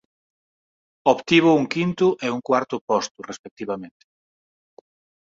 Obtivo un quinto e un cuarto posto respectivamente.